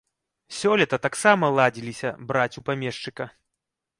Сёлета таксама ладзіліся браць у памешчыка.